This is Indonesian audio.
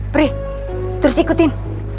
prih terus ikutin